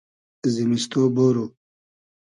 زیمیستو بۉرو